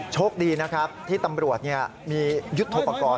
โชคดีที่ตำรวจมียุทธ์อุปกรณ์